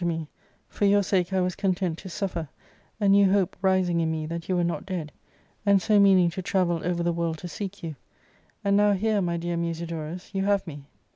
Sook L 47 to me — ^for your sake I was content to suffer, a new hope rising in me that you were not dead, and so meaning to travel over the world to seek you ; and now here, my dear Musidorus, you have me."